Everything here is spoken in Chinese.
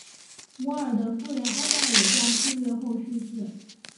摩尔的夫人安娜也在数月后逝世。